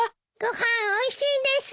ご飯おいしいです！